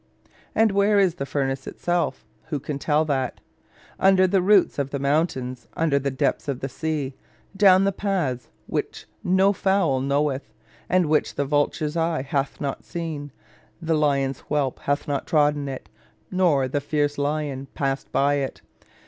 And where is the furnace itself? Who can tell that? Under the roots of the mountains, under the depths of the sea; down "the path which no fowl knoweth, and which the vulture's eye hath not seen: the lion's whelp hath not trodden it, nor the fierce lion passed by it.